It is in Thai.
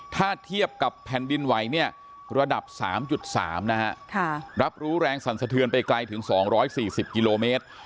ถ้าเทียบกับแผ่นดินไหวเนี่ยระดับ๓๓นะฮะรับรู้แรงสั่นสะเทือนไปไกลถึง๒๔๐กิโลเมตร